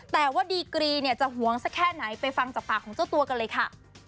แต่ว่าดีกรีเนี่ยจะหวงสักแค่ไหนไปฟังจากปากของเจ้าตัวกันเลยค่ะ